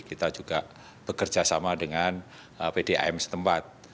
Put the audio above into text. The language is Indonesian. kita juga bekerja sama dengan pdam setempat